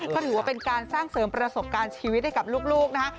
ก็ถือว่าเป็นการสร้างเสริมประสบการณ์ชีวิตให้กับลูกนะคะ